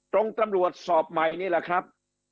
ตำรวจสอบใหม่นี่แหละครับ